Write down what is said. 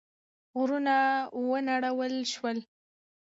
غرونه ونړول شول.